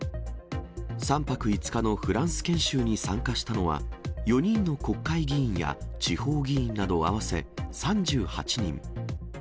３泊５日のフランス研修に参加したのは、４人の国会議員や地方議員など合わせ３８人。